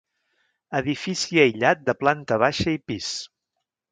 Edifici aïllat de planta baixa i pis.